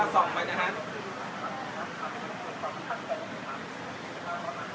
สวัสดีครับ